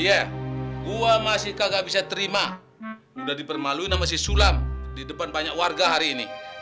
iya gua masih kagak bisa terima udah dipermaluin sama si sulam di depan banyak warga hari ini